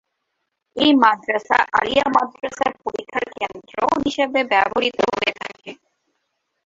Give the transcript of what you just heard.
এই মাদ্রাসা আলিয়া মাদ্রাসার পরীক্ষার কেন্দ্র হিসাবে ব্যবহৃত হয়ে থাকে।